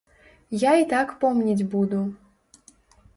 Я і так помніць буду.